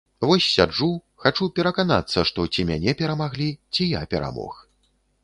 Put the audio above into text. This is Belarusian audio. Вось, сяджу, хачу пераканацца, што ці мяне перамаглі, ці я перамог.